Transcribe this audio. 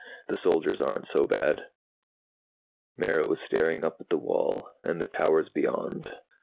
"The soldiers aren't so bad." Mara was staring up at the wall and the towers beyond.